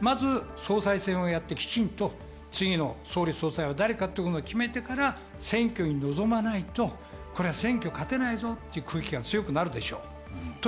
まず総裁選をやって、次の総理総裁が誰かを決めてから選挙に臨まないと、これは選挙は勝てないぞという空気が強くなるでしょう。